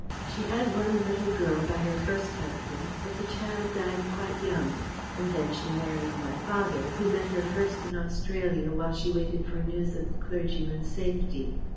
She had one little girl by her first husband, but the child died quite young: and then she married my father, who met her first in Australia while she waited for news of the clergyman's safety.